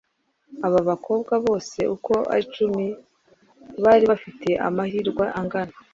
Aba bakobwa bose uko ari icumi bari bafite amahirwe angana.